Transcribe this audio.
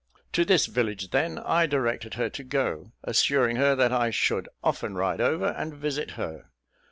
To this village, then, I directed her to go, assuring her that I should often ride over and visit her.